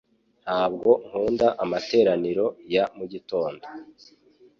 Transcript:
Ntabwo nkunda amateraniro ya mugitondo